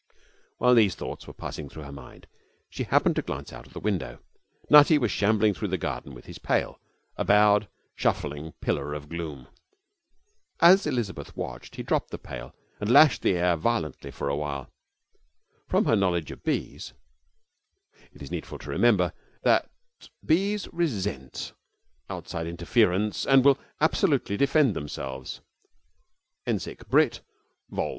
While these thoughts were passing through her mind she happened to glance out of the window. Nutty was shambling through the garden with his pail, a bowed, shuffling pillar of gloom. As Elizabeth watched, he dropped the pail and lashed the air violently for a while. From her knowledge of bees ('It is needful to remember that bees resent outside interference and will resolutely defend themselves,' Encyc. Brit., Vol.